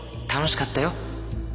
楽しかったよ。